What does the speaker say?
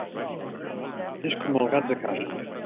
És com el gat de casa.